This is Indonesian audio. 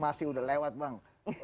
masih udah lewat bang